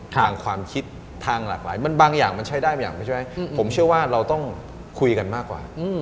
ความคิดทางหลากหลายมันบางอย่างมันใช้ได้บางอย่างไม่ใช่ผมเชื่อว่าเราต้องคุยกันมากกว่า